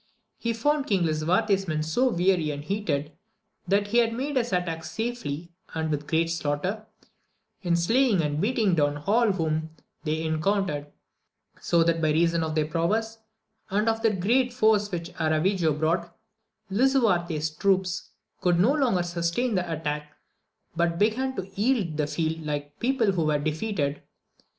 He found King Lisuarte's men so weary and heated, that he made his attack safely and with great slaughter ; and the six knights did wonders, in slaying and beat ing down all whom they encountered; so that by reason of their prowess, and of the great force which Aravigo brought, Lisuarte's troops could no longer sustain the attack, but began to yield the field like people who were defeated.